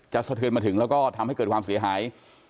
สะเทือนมาถึงแล้วก็ทำให้เกิดความเสียหาย